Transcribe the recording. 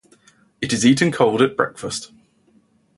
It is eaten cold at breakfast.